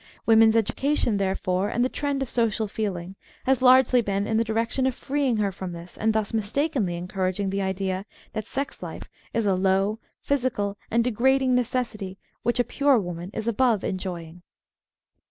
Women's education, therefore, and the trend of social feeling, has largely been in the direction of freeing her from this and thus mistakenly encouraging i Woman's "Contrariness" *5 the idea that sex life is a low, physical, and degrading necessity which a pure woman is above enjoying.